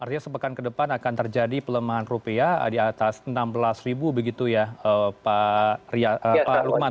artinya sepekan ke depan akan terjadi pelemahan rupiah di atas enam belas begitu ya pak lukman